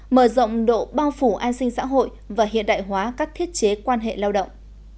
mở rộng độ bao phủ an sinh xã hội và hiện đại hóa các thiết chế quan hệ lao động